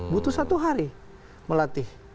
butuh satu hari melatih